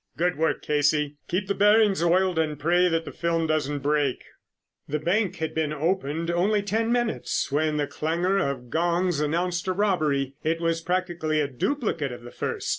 "Good work, Casey. Keep the bearings oiled and pray that the film doesn't break." The bank had been opened only ten minutes when the clangor of gongs announced a robbery. It was practically a duplicate of the first.